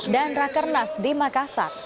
dan rakernas di makassar